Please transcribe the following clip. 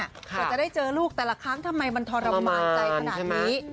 กว่าจะได้เจอลูกแต่ละครั้งทำไมมันทรมานใจขนาดนี้